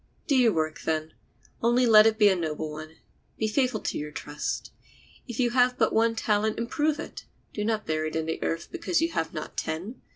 Do your work, then; only let it be a noble one. Be faithful to your trust. If you have but one talent improve it; do not bury it in the earth because you have not ten.